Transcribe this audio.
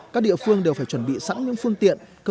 các địa phương đều phải chuẩn bị sẵn những phương tiện